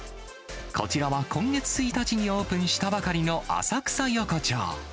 こちらは今月１日にオープンしたばかりの浅草横町。